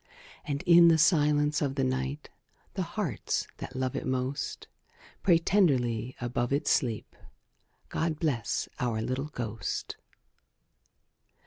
And, in the silence of the night, The hearts that love it most Pray tenderly above its sleep, "God bless our little ghost!"